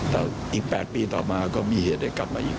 แต่อีก๘ปีต่อมาก็มีเหตุให้กลับมาอีก